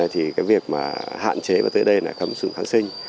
thì việc hạn chế và tới đây là khẩn sử kháng sinh